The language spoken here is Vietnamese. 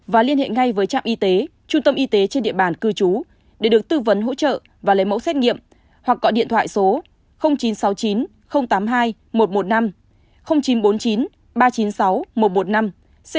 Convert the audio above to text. và liên hệ ngay với trạm y tế trung tâm y tế trên địa bàn cư trú để được tư vấn hỗ trợ và lấy mẫu xét nghiệm hoặc gọi điện thoại số chín trăm sáu mươi chín tám mươi hai một trăm một mươi năm chín trăm bốn mươi chín ba trăm chín mươi sáu một trăm một mươi năm nghìn sáu trăm